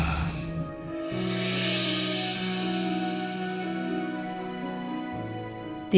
tidak semudah itu al